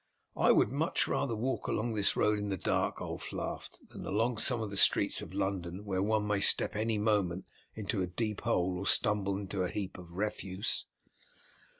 "I would much rather walk along this road in the dark," Ulf laughed, "than along some of the streets of London, where one may step any moment into a deep hole or stumble into a heap of refuse."